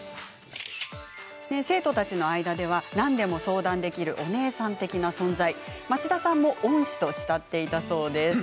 生徒たちの間では何でも相談できるお姉さん的な存在で、町田さんも恩師と慕っていたそうです。